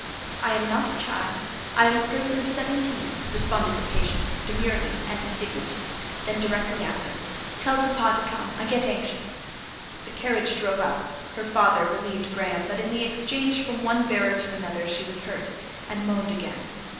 "I am not a child—I am a person of seventeen," responded the patient, demurely and with dignity. Then, directly after: "Tell papa to come; I get anxious." The carriage drove up; her father relieved Graham; but in the exchange from one bearer to another she was hurt, and moaned again.